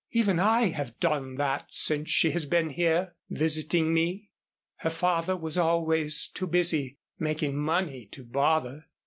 Even I have done that since she has been here visiting me. Her father was always too busy making money to bother.